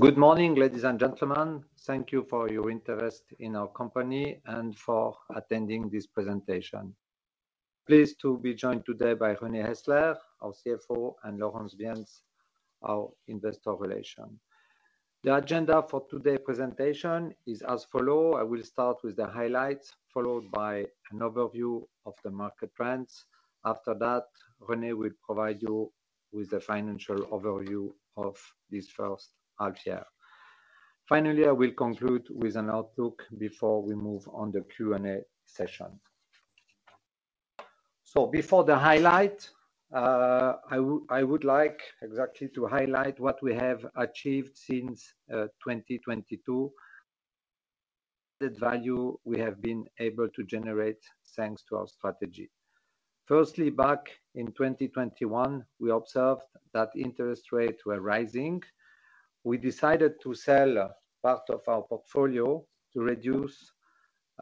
Good morning, ladies and gentlemen. Thank you for your interest in our company and for attending this presentation. Pleased to be joined today by René Häsler, our CFO, and Laurence Bienz, our Investor Relation. The agenda for today's presentation is as follow: I will start with the highlights, followed by an overview of the market trends. After that, René will provide you with the financial overview of this first half year. Finally, I will conclude with an outlook before we move on the Q&A session. So before the highlight, I would like exactly to highlight what we have achieved since 2022. The value we have been able to generate thanks to our strategy. Firstly, back in 2021, we observed that interest rates were rising. We decided to sell part of our portfolio to reduce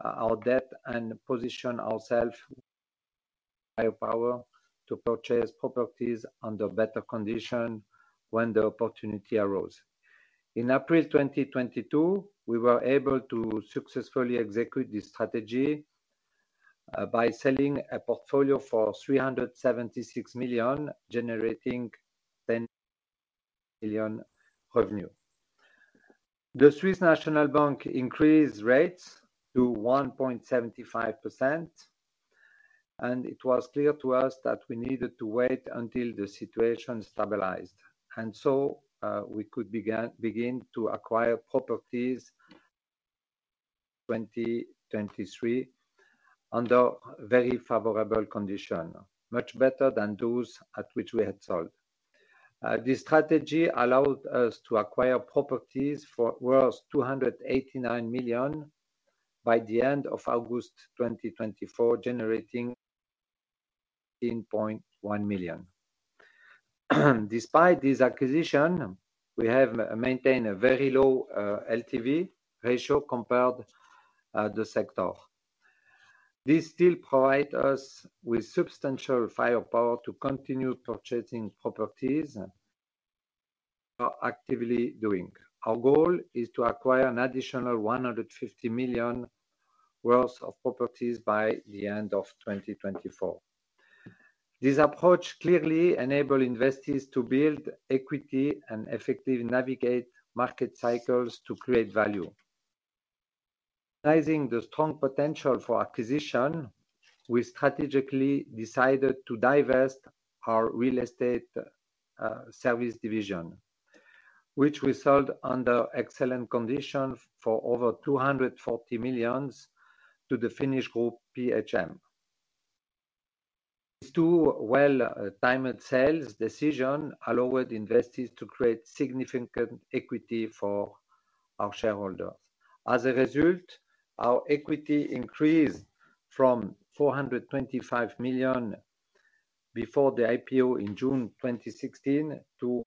our debt and position ourselves higher power to purchase properties under better condition when the opportunity arose. In April 2022, we were able to successfully execute this strategy by selling a portfolio for 376 million, generating 10 million revenue. The Swiss National Bank increased rates to 1.75%, and it was clear to us that we needed to wait until the situation stabilized, and so we could begin to acquire properties 2023, under very favorable condition, much better than those at which we had sold. This strategy allowed us to acquire properties worth 289 million by the end of August 2024, generating 17.1 million. Despite this acquisition, we have maintained a very low LTV ratio compared to the sector. This still provide us with substantial firepower to continue purchasing properties and are actively doing. Our goal is to acquire an additional 150 million worth of properties by the end of 2024. This approach clearly enable investors to build equity and effectively navigate market cycles to create value. Raising the strong potential for acquisition, we strategically decided to divest our real estate service division, which we sold under excellent conditions for over 240 million to the Finnish group, PHM Group. These two well-timed sales decision allowed investors to create significant equity for our shareholders. As a result, our equity increased from 425 million before the IPO in June 2016 to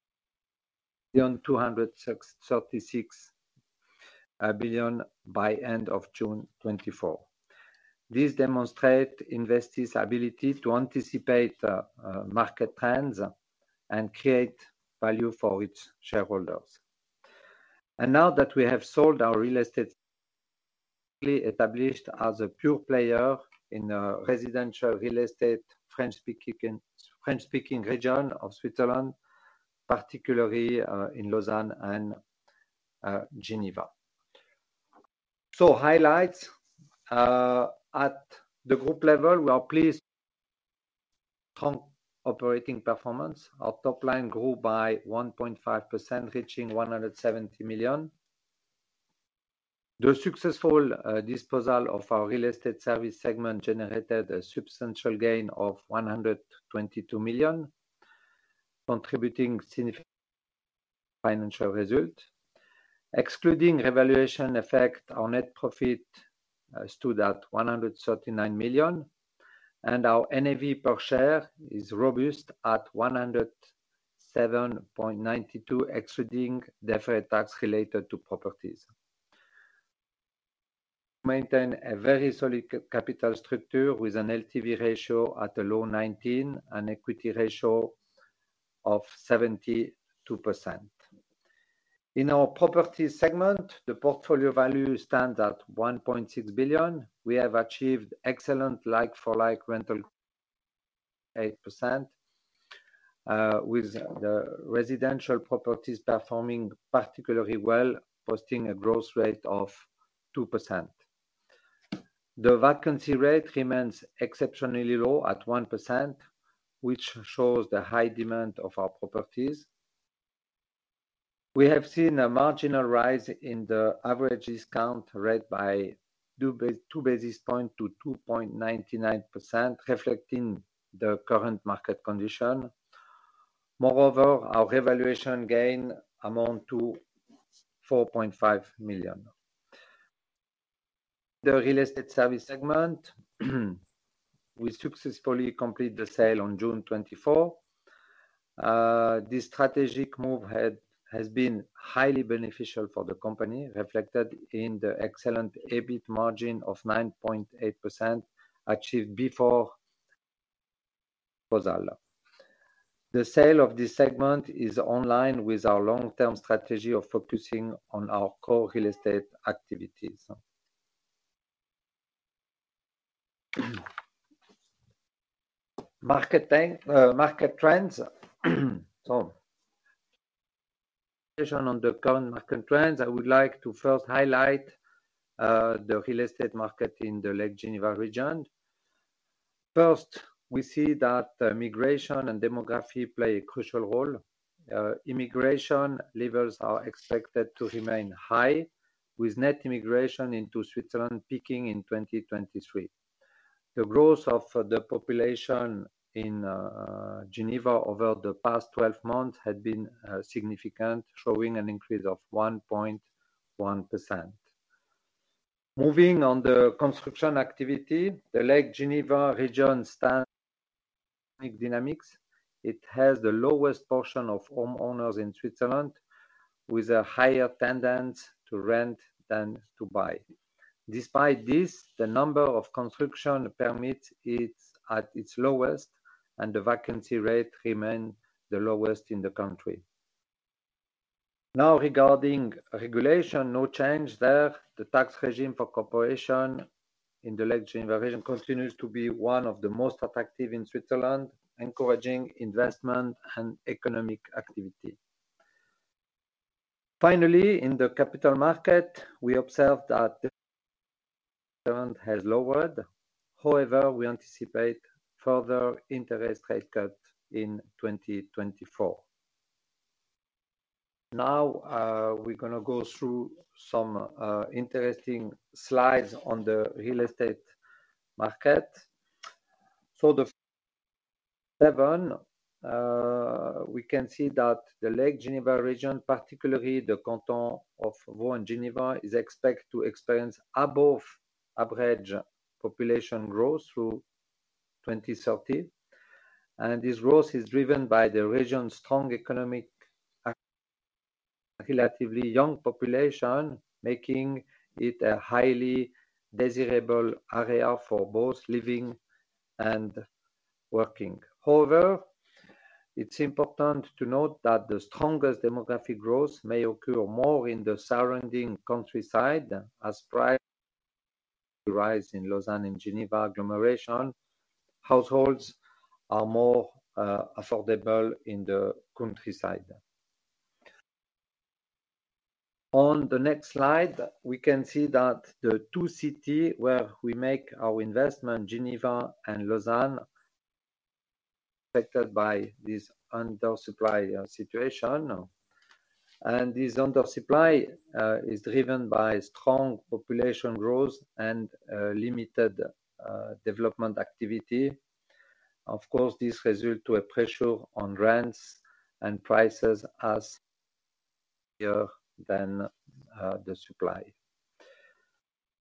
1.236 billion by end of June 2024. This demonstrate Investis' ability to anticipate market trends and create value for its shareholders. Now that we have sold our real estate, established as a pure player in a residential real estate, French-speaking region of Switzerland, particularly in Lausanne and Geneva. Highlights. At the group level, we are pleased operating performance. Our top line grew by 1.5%, reaching 170 million. The successful disposal of our real estate service segment generated a substantial gain of 122 million, contributing significant financial result. Excluding revaluation effect, our net profit stood at 139 million, and our NAV per share is robust at 107.92, excluding deferred tax related to properties. We maintain a very solid capital structure, with an LTV ratio at a low 19% and equity ratio of 72%. In our property segment, the portfolio value stands at 1.6 billion. We have achieved excellent like-for-like rental 1.8%, with the residential properties performing particularly well, posting a growth rate of 2%. The vacancy rate remains exceptionally low at 1%, which shows the high demand of our properties. We have seen a marginal rise in the average discount rate by two basis points to 2.99%, reflecting the current market condition. Moreover, our revaluation gain amount to 4.5 million. The Real Estate Service segment, we successfully completed the sale on June 24. This strategic move has been highly beneficial for the company, reflected in the excellent EBIT margin of 9.8%, achieved. The sale of this segment is in line with our long-term strategy of focusing on our core real estate activities. Marketing, market trends. On the current market trends, I would like to first highlight the real estate market in the Lake Geneva region. First, we see that migration and demography play a crucial role. Immigration levels are expected to remain high, with net immigration into Switzerland peaking in 2023. The growth of the population in Geneva over the past 12 months had been significant, showing an increase of 1.1%. Moving on the construction activity, the Lake Geneva region stands dynamics. It has the lowest portion of homeowners in Switzerland, with a higher tendency to rent than to buy. Despite this, the number of construction permits is at its lowest, and the vacancy rate remains the lowest in the country. Now regarding regulation, no change there. The tax regime for corporation in the Lake Geneva region continues to be one of the most attractive in Switzerland, encouraging investment and economic activity. Finally, in the capital market, we observed that has lowered. However, we anticipate further interest rate cut in 2024. Now, we're going to go through some interesting slides on the real estate market. So the seven, we can see that the Lake Geneva region, particularly the Canton of Vaud and Geneva, is expected to experience above average population growth through twenty thirty. And this growth is driven by the region's strong economic and relatively young population, making it a highly desirable area for both living and working. However, it's important to note that the strongest demographic growth may occur more in the surrounding countryside as price rise in Lausanne and Geneva agglomeration. Households are more affordable in the countryside. On the next slide, we can see that the two cities where we make our investment, Geneva and Lausanne, affected by this undersupply situation, and this undersupply is driven by strong population growth and limited development activity. Of course, this results in a pressure on rents and prices as higher than the supply.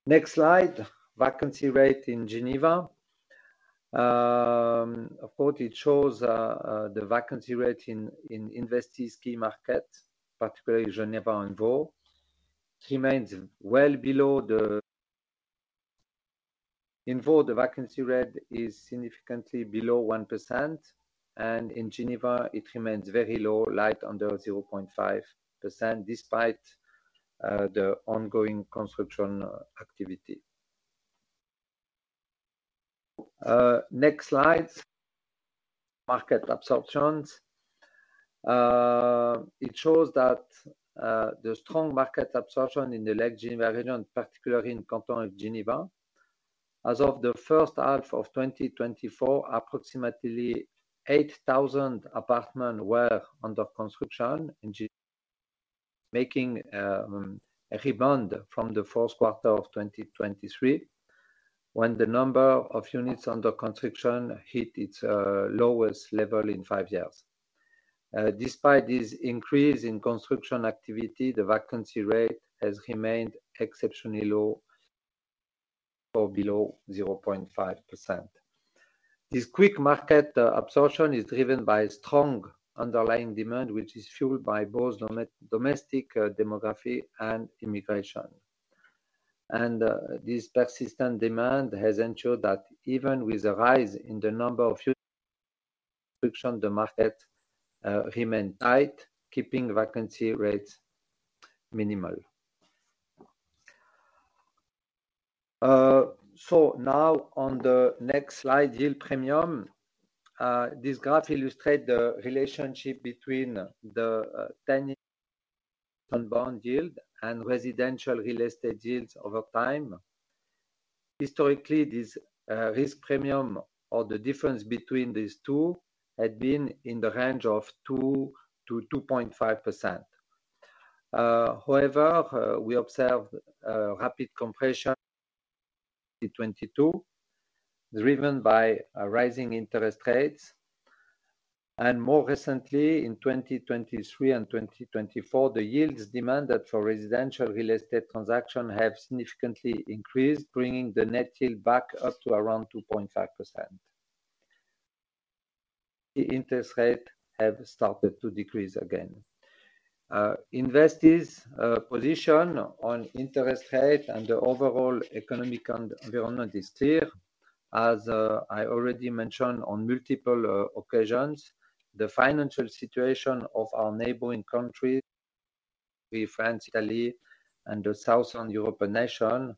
Next slide, vacancy rate in Geneva. Of course, it shows the vacancy rate in Investis key market, particularly Geneva and Vaud, remains well below the... In Vaud, the vacancy rate is significantly below 1%, and in Geneva, it remains very low, right under 0.5%, despite the ongoing construction activity. Next slide, market absorptions. It shows that the strong market absorption in the Lake Geneva region, particularly in Canton of Geneva. As of the first half of 2024, approximately 8,000 apartments were under construction in Geneva, making a rebound from the fourth quarter of 2023, when the number of units under construction hit its lowest level in five years. Despite this increase in construction activity, the vacancy rate has remained exceptionally low or below 0.5%. This quick market absorption is driven by strong underlying demand, which is fueled by both domestic demography and immigration. This persistent demand has ensured that even with the rise in the number of units, the market remain tight, keeping vacancy rates minimal. Now, on the next slide, yield premium. This graph illustrate the relationship between the 10-year bond yield and residential real estate yields over time. Historically, this risk premium or the difference between these two had been in the range of 2%-2.5%. However, we observed a rapid compression in 2022, driven by rising interest rates, and more recently, in 2023 and 2024, the yields demanded for residential real estate transaction have significantly increased, bringing the net yield back up to around 2.5%. The interest rate have started to decrease again. Investis' position on interest rate and the overall economic environment is clear. As I already mentioned on multiple occasions, the financial situation of our neighboring countries, with France, Italy, and the Southern European nation,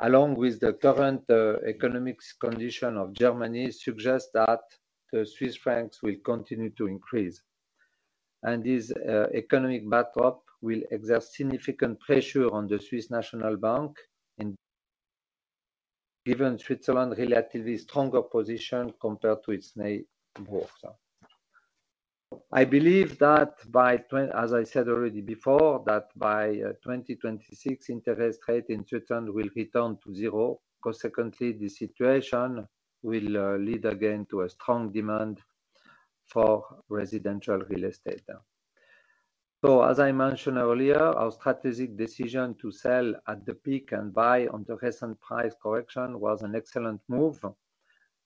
along with the current economic condition of Germany, suggests that the Swiss francs will continue to increase. And this economic backdrop will exert significant pressure on the Swiss National Bank in given Switzerland relatively stronger position compared to its neighbors. I believe that by. As I said already before, that by 2026, interest rate in Switzerland will return to zero. Consequently, the situation will lead again to a strong demand for residential real estate. So as I mentioned earlier, our strategic decision to sell at the peak and buy on the recent price correction was an excellent move,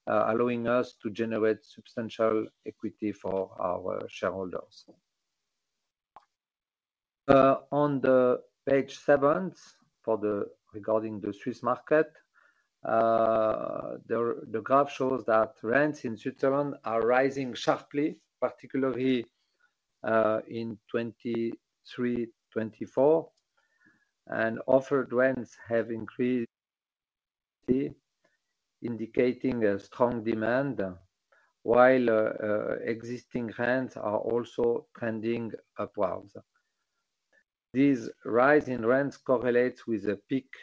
allowing us to generate substantial equity for our shareholders. On the page seven, regarding the Swiss market, the graph shows that rents in Switzerland are rising sharply, particularly in 2023, 2024. And offered rents have increased, indicating a strong demand, while existing rents are also trending upwards. This rise in rents correlates with a peak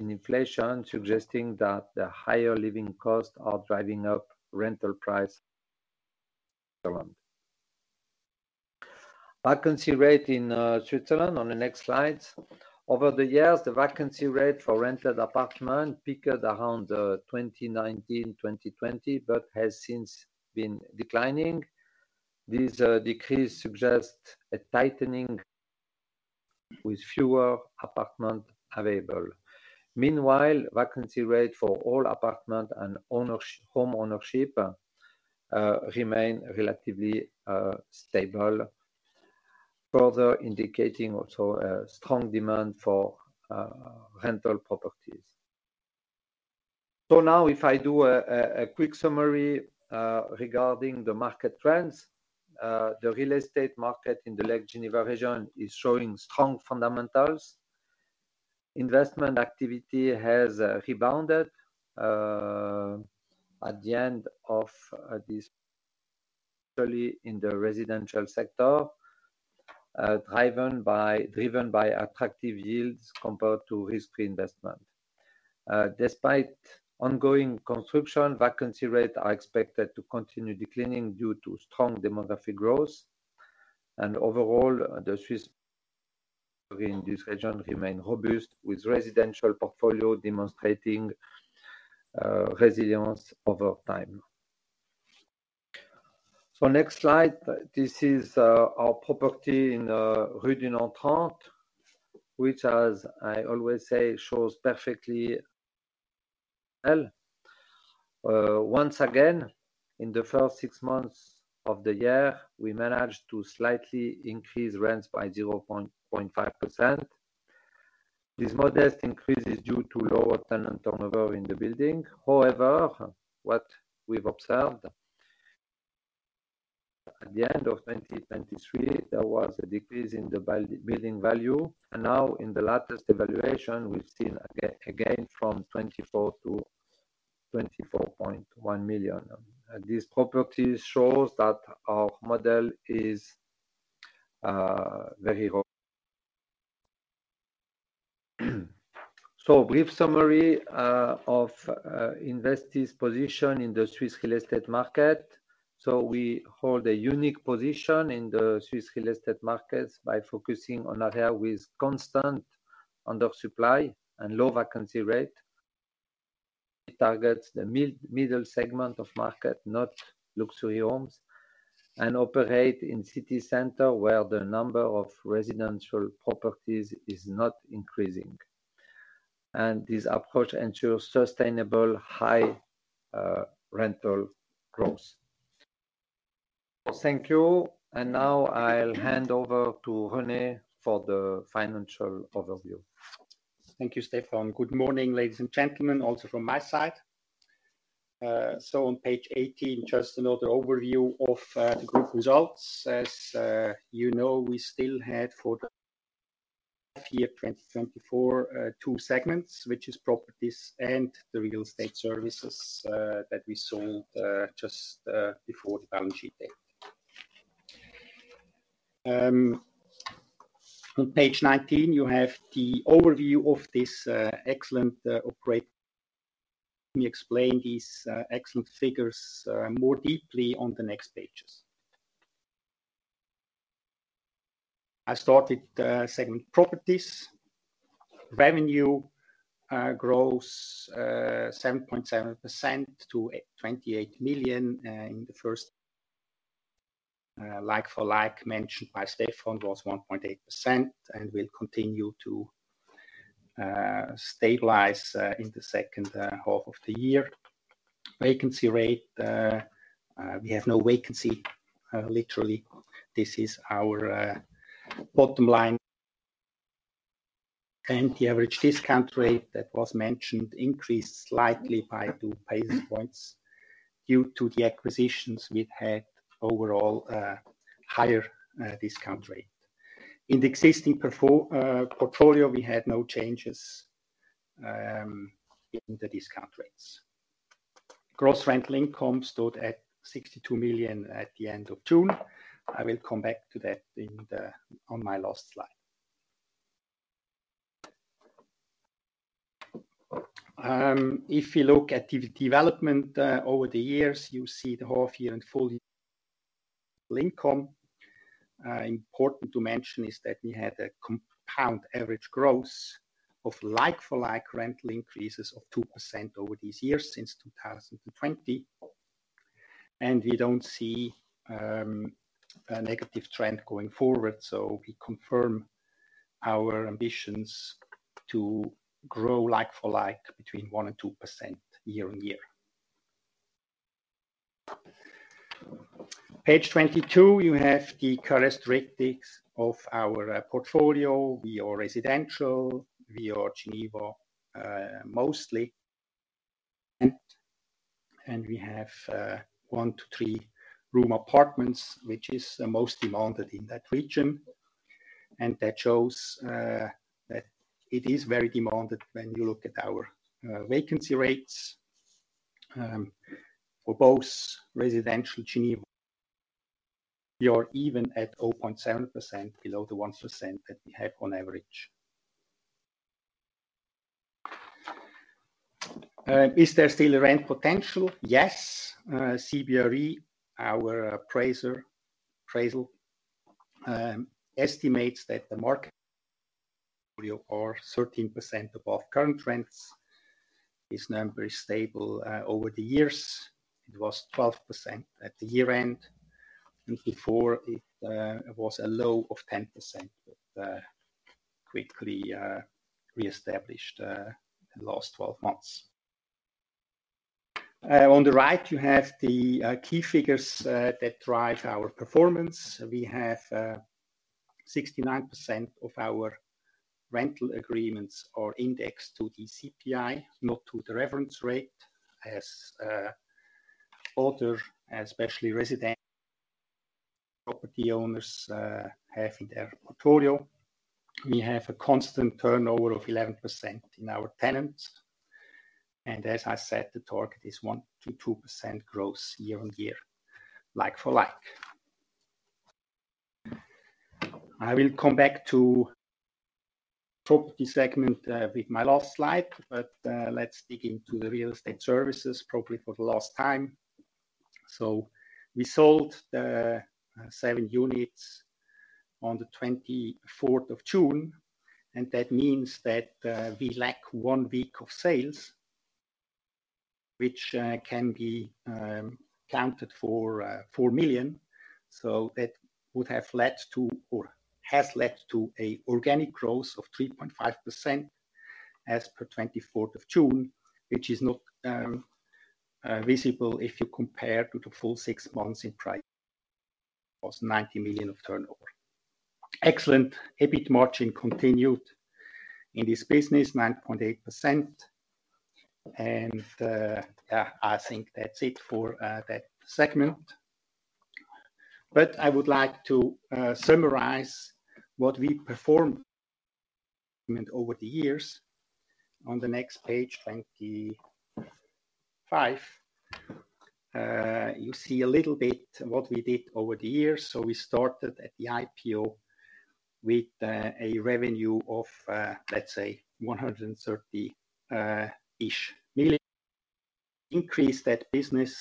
in inflation, suggesting that the higher living costs are driving up rental prices around. Vacancy rate in Switzerland on the next slide. Over the years, the vacancy rate for rented apartment peaked around 2019, 2020, but has since been declining. This decrease suggests a tightening with fewer apartment available. Meanwhile, vacancy rate for all apartment and home ownership remain relatively stable, further indicating also a strong demand for rental properties. So now if I do a quick summary regarding the market trends. The real estate market in the Lake Geneva region is showing strong fundamentals. Investment activity has rebounded at the end of this in the residential sector, driven by attractive yields compared to risk-free investment. Despite ongoing construction, vacancy rates are expected to continue declining due to strong demographic growth. And overall, the Swiss in this region remain robust, with residential portfolio demonstrating resilience over time. So next slide. This is our property in Rue du Nant, which, as I always say, shows perfectly well. Once again, in the first six months of the year, we managed to slightly increase rents by 0.5%. This modest increase is due to lower tenant turnover in the building. However, what we've observed, at the end of 2023, there was a decrease in the building value, and now in the latest evaluation, we've seen again from 24 million to 24.1 million. And this property shows that our model is very well. So a brief summary of Investis position in the Swiss real estate market. We hold a unique position in the Swiss real estate markets by focusing on area with constant under supply and low vacancy rate. It targets the middle segment of market, not luxury homes, and operate in city center, where the number of residential properties is not increasing. And this approach ensures sustainable high rental growth. Thank you. And now I'll hand over to René for the financial overview. Thank you, Stéphane. Good morning, ladies and gentlemen, also from my side. So on page 18, just another overview of the group results. As you know, we still had for the year 2024 two segments, which is properties and the real estate services that we sold just before the balance sheet date. On page 19, you have the overview of this excellent operating. Let me explain these excellent figures more deeply on the next pages. I started segment properties. Revenue grows 7.7% to 28 million in the first like for like, mentioned by Stéphane, was 1.8%, and will continue to stabilize in the second half of the year. Vacancy rate we have no vacancy literally. This is our bottom line. And the average discount rate that was mentioned increased slightly by two basis points. Due to the acquisitions, we've had overall higher discount rate. In the existing portfolio, we had no changes in the discount rates. Gross rental income stood at 62 million at the end of June. I will come back to that on my last slide. If you look at the development over the years, you see the half year and full year income. Important to mention is that we had a compound average growth of like for like rental increases of 2% over these years since 2020. And we don't see a negative trend going forward, so we confirm our ambitions to grow like for like between 1% and 2% year on year. Page twenty-two, you have the characteristics of our portfolio. We are residential, we are Geneva, mostly. And we have one to three room apartments, which is the most demanded in that region. And that shows that it is very demanded when you look at our vacancy rates for both residential Geneva. We are even at 0.7% below the 1% that we have on average. Is there still rent potential? Yes. CBRE, our appraiser, appraisal, estimates that the market are 13% above current rents, is now very stable. Over the years, it was 12% at the year-end, and before it, it was a low of 10%, but quickly reestablished in the last 12 months. On the right, you have the key figures that drive our performance. We have 69% of our rental agreements are indexed to the CPI, not to the reference rate, as other, especially resident property owners, have in their portfolio. We have a constant turnover of 11% in our tenants, and as I said, the target is 1% to 2% growth year on year, like for like. I will come back to property segment with my last slide, but let's dig into the real estate services, probably for the last time. So we sold the seven units on the 24th of June, and that means that we lack one week of sales, which can be counted for 4 million. So that would have led to or has led to a organic growth of 3.5% as per 24th of June, which is not visible if you compare to the full six months in price. Was 90 million of turnover. Excellent EBIT margin continued in this business, 9.8%. And, yeah, I think that's it for that segment. But I would like to summarize what we performed over the years. On the next page, 25, you see a little bit what we did over the years. So we started at the IPO with a revenue of, let's say 130-ish million. Increased that business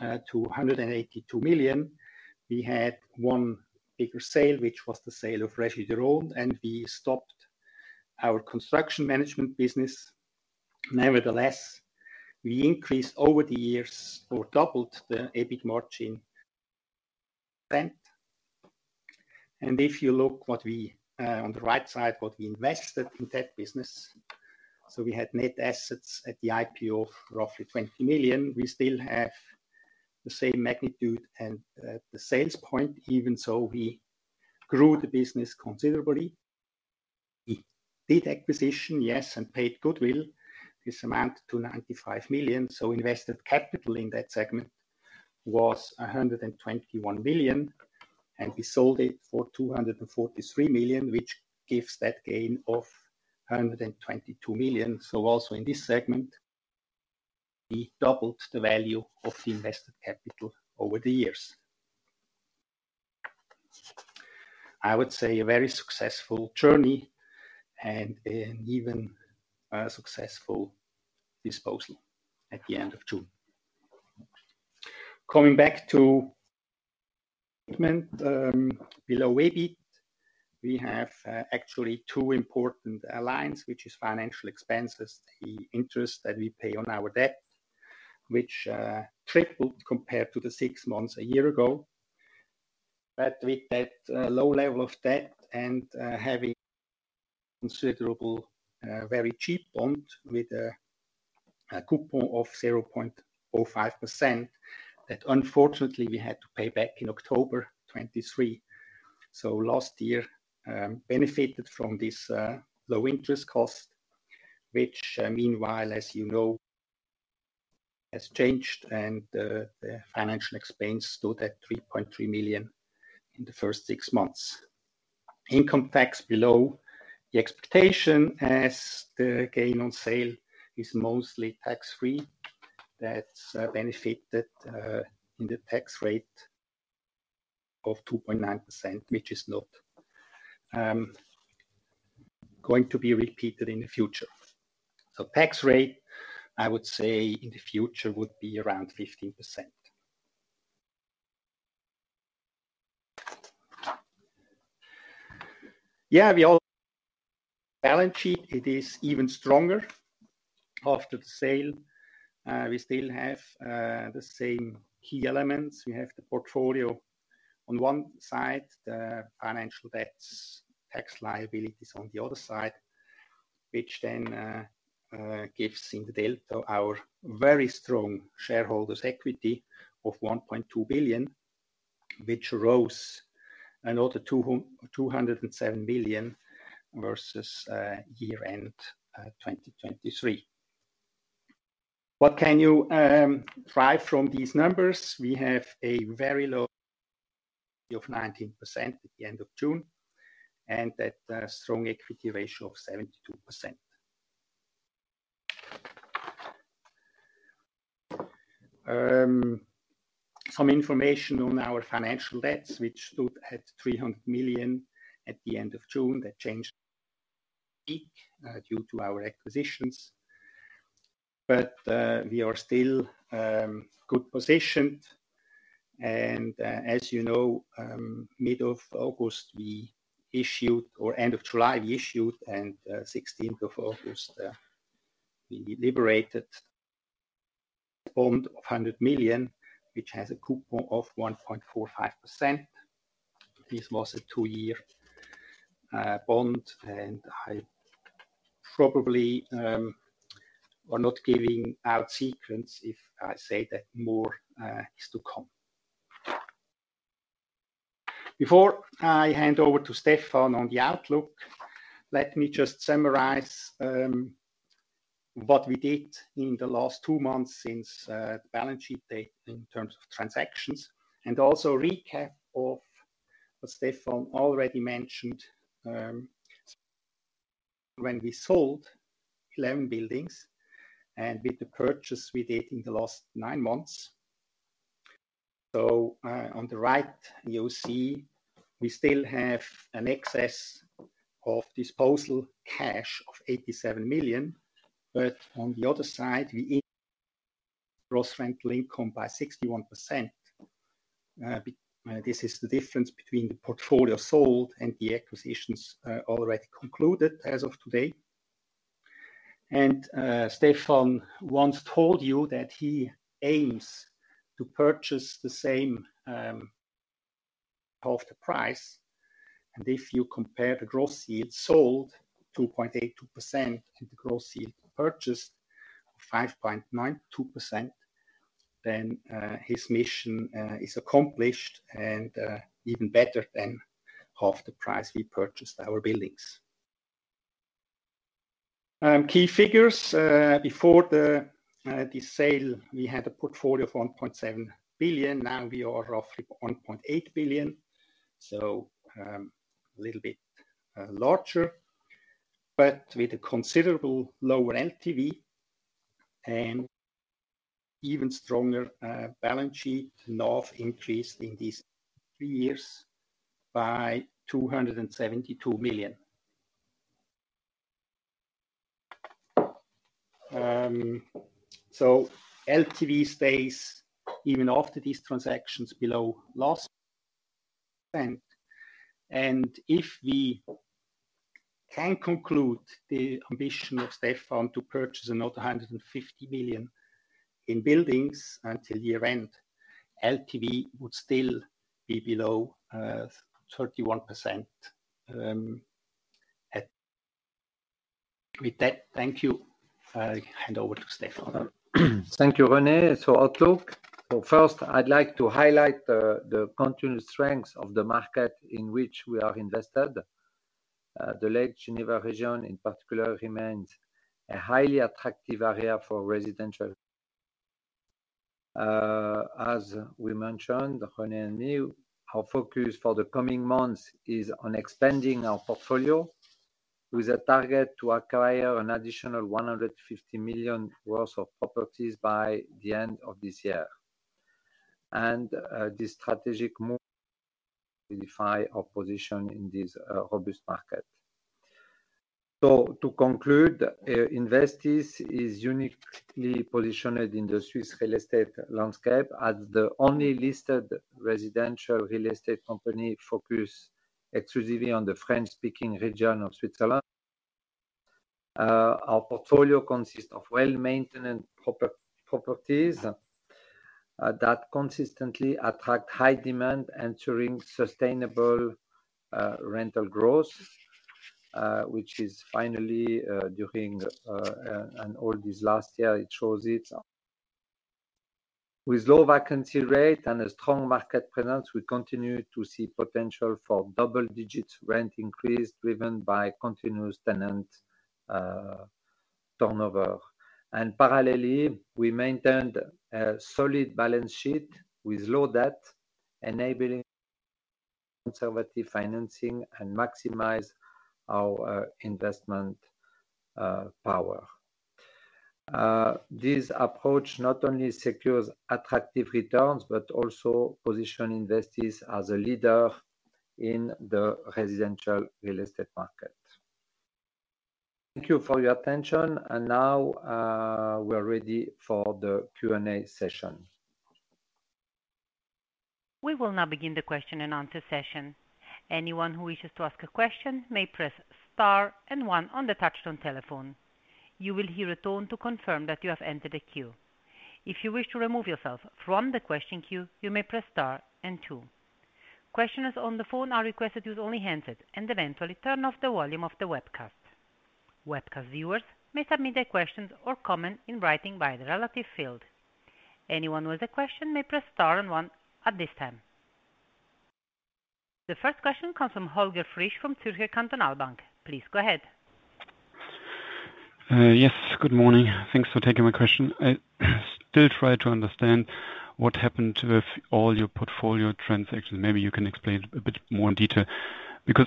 to 182 million. We had one bigger sale, which was the sale of [luxury home], and we stopped our construction management business. Nevertheless, we increased over the years or doubled the EBIT margin then. And if you look what we, on the right side, what we invested in that business. So we had net assets at the IPO of roughly 20 million. We still have the same magnitude and, the sales point, even so, we grew the business considerably. We did acquisition, yes, and paid goodwill. This amount to 95 million, so invested capital in that segment was 121 million, and we sold it for 243 million, which gives that gain of 122 million. So also in this segment, we doubled the value of the invested capital over the years. I would say a very successful journey and an even, successful disposal at the end of June. Coming back to, below EBIT. We have actually two important alliance, which is financial expenses, the interest that we pay on our debt, which tripled compared to the six months a year ago, but with that low level of debt and having considerable very cheap bond with a coupon of 0.05%, that unfortunately we had to pay back in October 2023, so last year benefited from this low-interest cost, which meanwhile, as you know, has changed, and the financial expense stood at 3.3 million in the first six months. Income tax below the expectation as the gain on sale is mostly tax-free. That's benefited in the tax rate of 2.9%, which is not going to be repeated in the future. Tax rate, I would say, in the future, would be around 15%. Yeah, balance sheet, it is even stronger after the sale. We still have the same key elements. We have the portfolio on one side, the financial debts, tax liabilities on the other side, which then gives in the delta our very strong shareholders' equity of 1.2 billion, which rose another 207 million versus year-end 2023. What can you derive from these numbers? We have a very low of 19% at the end of June, and that strong equity ratio of 72%. Some information on our financial debts, which stood at 300 million at the end of June. That changed peak due to our acquisitions. But we are still well positioned, and as you know, middle of August we issued, or end of July we issued, and sixteenth of August we issued a bond of 100 million, which has a coupon of 1.45%. This was a two-year bond, and I probably am not giving away any secrets if I say that more is to come. Before I hand over to Stéphane on the outlook, let me just summarize what we did in the last two months since the balance sheet date in terms of transactions, and also a recap of what Stéphane already mentioned. When we sold 11 buildings, and with the purchase we did in the last nine months. So, on the right, you see, we still have an excess of disposal cash of 87 million, but on the other side, we gross rental income by 61%. This is the difference between the portfolio sold and the acquisitions, already concluded as of today. And, Stéphane once told you that he aims to purchase the same, half the price. And if you compare the gross yield sold, 2.82%, and the gross yield purchased, 5.92%, then, his mission is accomplished and, even better than half the price we purchased our buildings. Key figures. Before the sale, we had a portfolio of 1.7 billion. Now we are roughly 1.8 billion, so a little bit larger, but with a considerably lower LTV and even stronger balance sheet. NAV increased in these three years by CHF 272 million. So LTV stays even after these transactions below 45%. And if we can conclude the ambition of Stéphane to purchase another 150 million in buildings until year-end, LTV would still be below 31%, at... With that, thank you. I hand over to Stéphane. Thank you, René. Outlook. First, I'd like to highlight the continuous strength of the market in which we are invested. The Lake Geneva region, in particular, remains a highly attractive area for residential. As we mentioned, René and me, our focus for the coming months is on expanding our portfolio, with a target to acquire an additional 150 million worth of properties by the end of this year. And this strategic move solidify our position in this robust market. To conclude, Investis is uniquely positioned in the Swiss real estate landscape as the only listed residential real estate company focused exclusively on the French-speaking region of Switzerland. Our portfolio consists of well-maintained properties that consistently attract high demand ensuring sustainable rental growth, which is finally during and all these last year; it shows it. With low vacancy rate and a strong market presence, we continue to see potential for double-digit rent increase, driven by continuous tenant turnover, and parallelly, we maintained a solid balance sheet with low debt, enabling conservative financing and maximize our investment power. This approach not only secures attractive returns, but also position Investis as a leader in the residential real estate market. Thank you for your attention, and now we are ready for the Q&A session. We will now begin the question and answer session. Anyone who wishes to ask a question may press star and one on the touchtone telephone. You will hear a tone to confirm that you have entered a queue. If you wish to remove yourself from the question queue, you may press star and two. Questioners on the phone are requested to use only handset and eventually turn off the volume of the webcast. Webcast viewers may submit their questions or comment in writing by the relevant field. Anyone with a question may press star and one at this time. The first question comes from Holger Frisch from Zürcher Kantonalbank. Please go ahead. Yes. Good morning. Thanks for taking my question. I still try to understand what happened with all your portfolio transactions. Maybe you can explain a bit more in detail. Because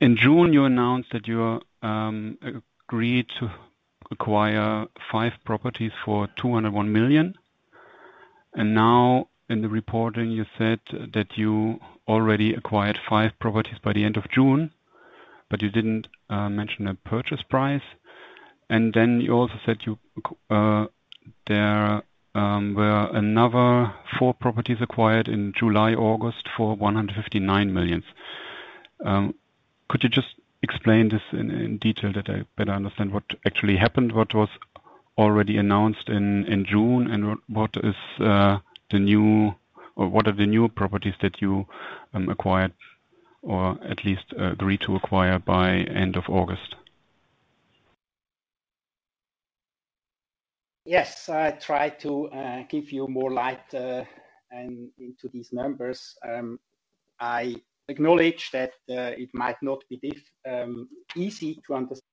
in June you announced that you are agreed to acquire five properties for 201 million. And now in the reporting, you said that you already acquired five properties by the end of June, but you didn't mention a purchase price. And then you also said there were another four properties acquired in July, August for 159 million. Could you just explain this in detail that I better understand what actually happened, what was already announced in June, and what is the new or what are the new properties that you acquired or at least agreed to acquire by end of August? Yes, I try to give you more light and into these numbers. I acknowledge that it might not be easy to understand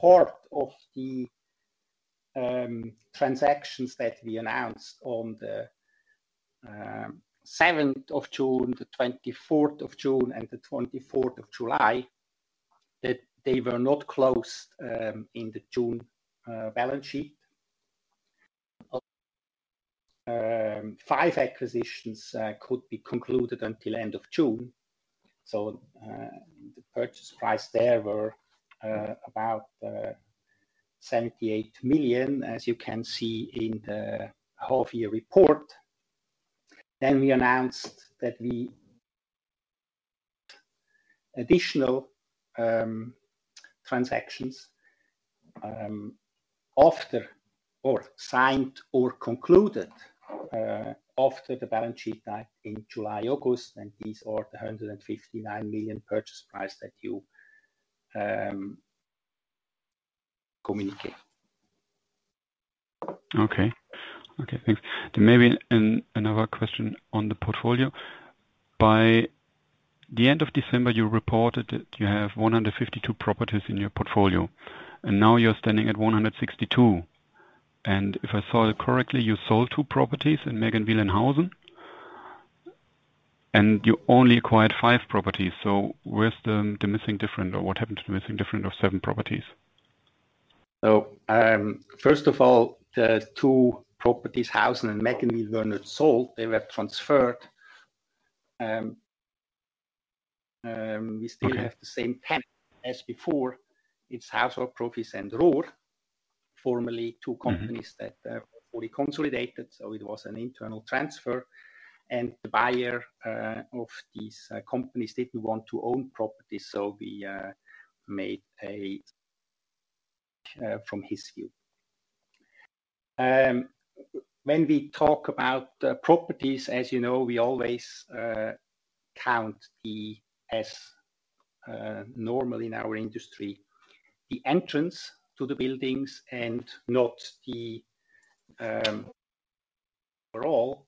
part of the transactions that we announced on the 7th of June, the 24th of June, and the 24th of July, that they were not closed in the June balance sheet. Five acquisitions could be concluded until end of June. So, the purchase price there were about 78 million, as you can see in the whole year report. Then we announced that we additional transactions after or signed or concluded after the balance sheet date in July, August, and these are the 159 million purchase price that you communicate. Okay. Okay, thanks. Then maybe another question on the portfolio. By the end of December, you reported that you have 152 properties in your portfolio, and now you're standing at 162. And if I saw it correctly, you sold two properties in Mägenwil, Hausen, and you only acquired five properties. So where's the missing difference or what happened to the missing difference of seven properties? So, first of all, the two properties, Hausen and Meggen, were not sold. They were transferred. Okay. We still have the same tenant as before. It's Hauswartprofis and Rohr, formerly two companies. Mm-hmm. That were fully consolidated, so it was an internal transfer. And the buyer of these companies didn't want to own properties, so we made a from his view. When we talk about the properties, as you know, we always count the, as normally in our industry, the entrance to the buildings and not the for all.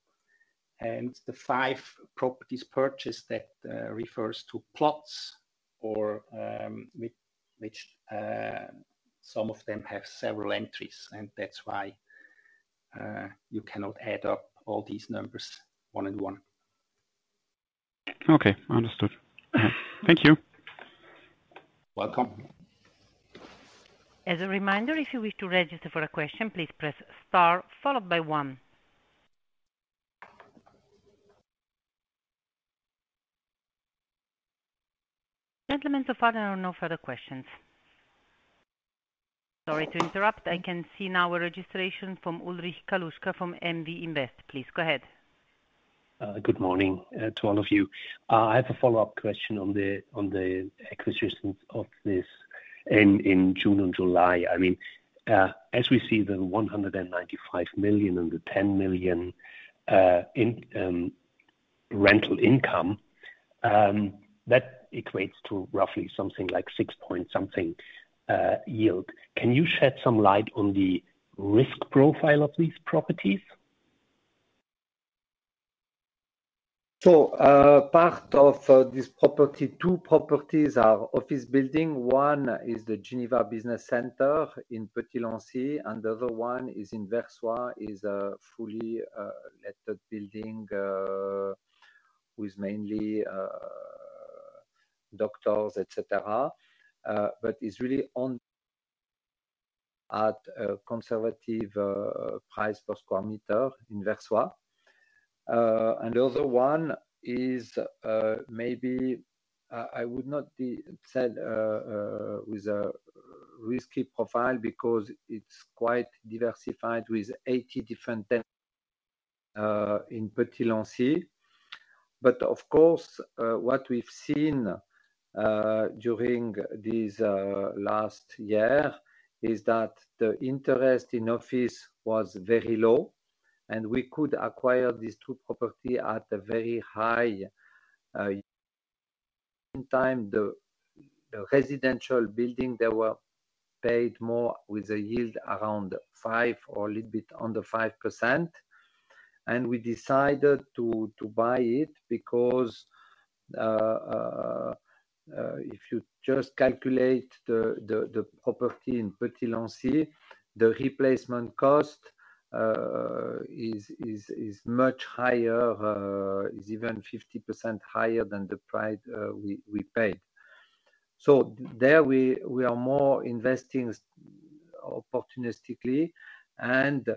And the five properties purchased that refers to plots or which some of them have several entries, and that's why you cannot add up all these numbers one and one. Okay, understood. Thank you. Welcome. As a reminder, if you wish to register for a question, please press star followed by one. Gentlemen, so far there are no further questions. Sorry to interrupt. I can see now a registration from Ulrich Kaluscha from MV Invest. Please go ahead. Good morning to all of you. I have a follow-up question on the acquisitions of this in June and July. I mean, as we see the 195 million and the 10 million in rental income, that equates to roughly something like six point something yield. Can you shed some light on the risk profile of these properties? So, part of this property, two properties are office buildings. One is the Geneva Business Center in Petit-Lancy, and the other one is in Versoix, is a fully let building with mainly doctors, et cetera. But it's really at a conservative price per square meter in Versoix. And the other one is maybe I would not say it has a risky profile because it's quite diversified with 80 different tenants in Petit-Lancy. But of course what we've seen during this last year is that the interest in office was very low, and we could acquire these two properties at a very high yield. In time, the residential buildings, they were paid more with a yield around 5% or a little bit under 5%. And we decided to buy it because if you just calculate the property in Petit-Lancy, the replacement cost is much higher, is even 50% higher than the price we paid. So there we are more investing opportunistically, and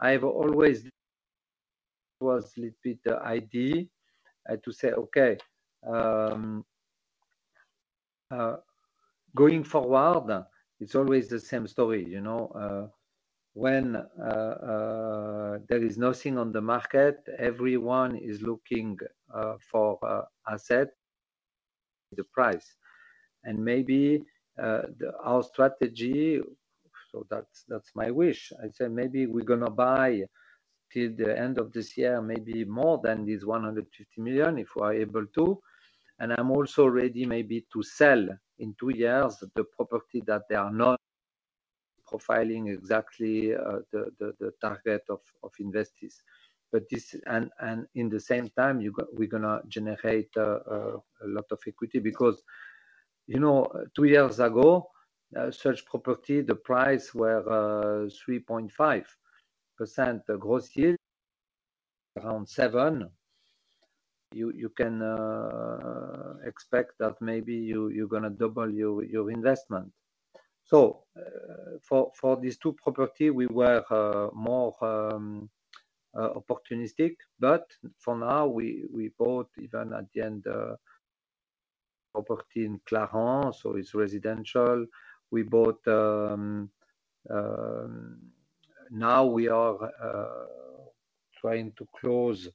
I've always was little bit the idea to say, "Okay, going forward, it's always the same story." You know, there is nothing on the market, everyone is looking for an asset, the price. And maybe our strategy - so that's my wish. I said, "Maybe we're gonna buy till the end of this year, maybe more than 150 million, if we are able to." And I'm also ready maybe to sell in two years, the property that they are not profiling exactly, the target of investors. But this... And in the same time, we're gonna generate a lot of equity because, you know, two years ago, such property, the price were 3.5% gross yield, around seven. You can expect that maybe you're gonna double your investment. So for these two property, we were more opportunistic, but for now, we bought even at the end, property in Clarens, so it's residential. We bought... Now we are trying to close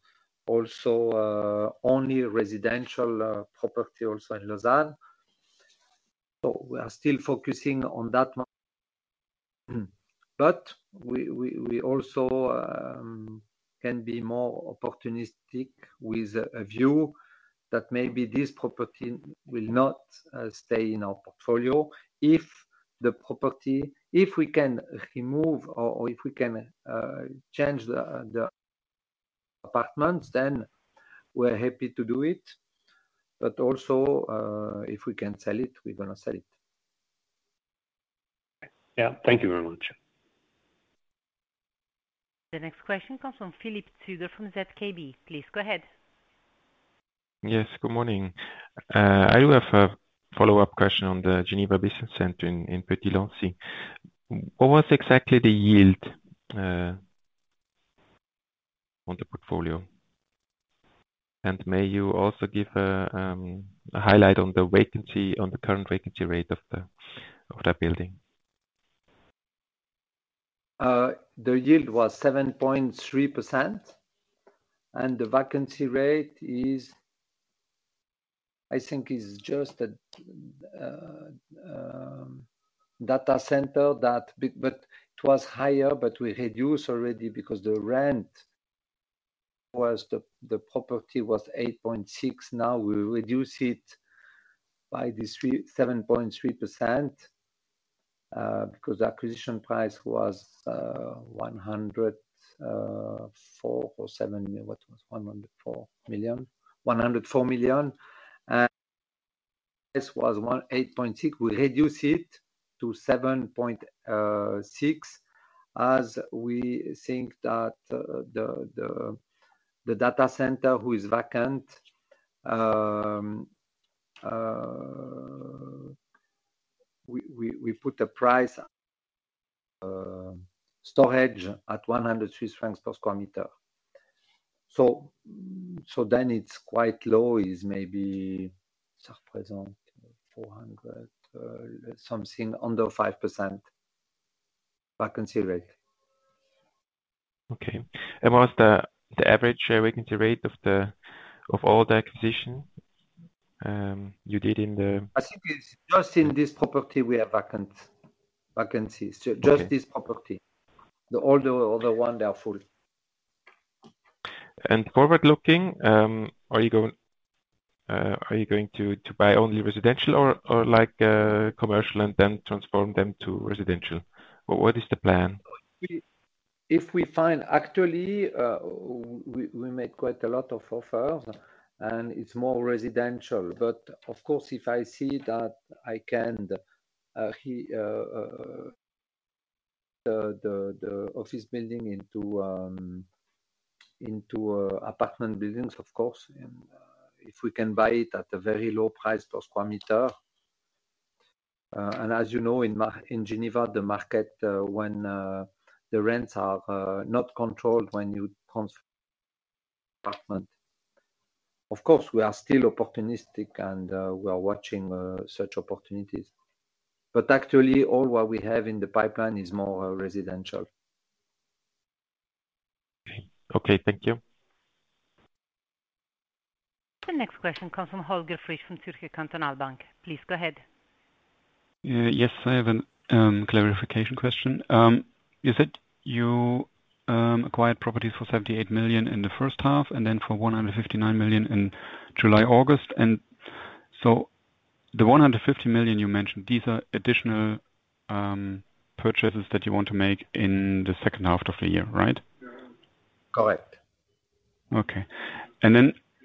also only residential property also in Lausanne, so we are still focusing on that one, but we also can be more opportunistic with a view that maybe this property will not stay in our portfolio. If we can remove or if we can change the apartments, then we're happy to do it, but also if we can sell it, we're gonna sell it. Yeah. Thank you very much. The next question comes from Philippe Züger from ZKB. Please, go ahead. Yes, good morning. I do have a follow-up question on the Geneva Business Center in, in Petit-Lancy. What was exactly the yield on the portfolio? And may you also give a a highlight on the vacancy, on the current vacancy rate of the, of that building? The yield was 7.3%, and the vacancy rate is, I think, just data center but it was higher, but we reduced already because the rent was the property was 8.6%. Now, we reduce it 7.3% because the acquisition price was one hundred four or seven, what was it? 104 million, 104 million, and this was 8.6%. We reduced it to 7.6%, as we think that the data center, who is vacant we put a price storage at 100 Swiss francs per sq m. So then it's quite low, is maybe represent 4% something under 5% vacancy rate. Okay. What's the average vacancy rate of all the acquisitions you did in the- I think it's just in this property we have vacant, vacancies. Okay. Just this property. All the other one, they are full. Forward-looking, are you going to buy only residential or like commercial and then transform them to residential? Or what is the plan? Actually, we make quite a lot of offers, and it's more residential. But of course, if I see that I can turn the office building into apartment buildings, of course, and if we can buy it at a very low price per square meter. And as you know, in Geneva the market, when the rents are not controlled when you rent an apartment. Of course, we are still opportunistic, and we are watching such opportunities. But actually, all what we have in the pipeline is more residential. Okay. Okay, thank you. The next question comes from Holger Frisch from Zürcher Kantonalbank. Please, go ahead. Yes, I have a clarification question. You said you acquired properties for 78 million in the first half and then for 159 million in July, August. And so the 150 million you mentioned, these are additional purchases that you want to make in the second half of the year, right? Correct. Okay.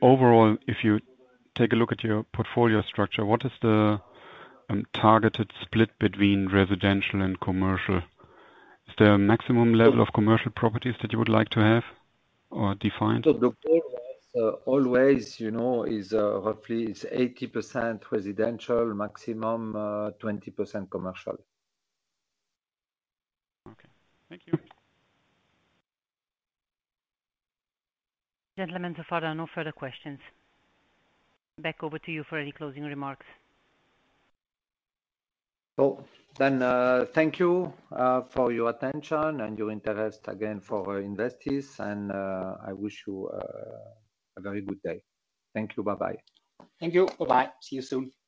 Overall, if you take a look at your portfolio structure, what is the targeted split between residential and commercial? Is there a maximum level of commercial properties that you would like to have or defined? So the goal was always, you know, is roughly 80% residential, maximum 20% commercial. Okay. Thank you. Gentlemen, so far, there are no further questions. Back over to you for any closing remarks. Thank you for your attention and your interest again for Investis, and I wish you a very good day. Thank you. Bye-bye. Thank you. Bye-bye. See you soon.